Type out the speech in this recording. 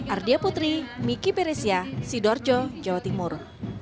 ardia putri miki peresia sidorjo jawa timur